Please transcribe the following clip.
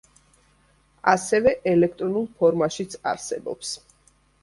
ასევე ელექტრონულ ფორმაშიც არსებობს.